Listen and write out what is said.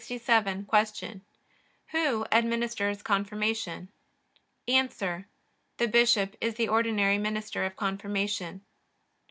Q. Who administers Confirmation? A. The bishop is the ordinary minister of Confirmation.